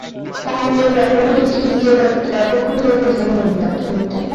তাহলে প্রবাবিলিটির যে তত্ত্ব এতক্ষন ধরে জানলেন তা কি মিথ্যে?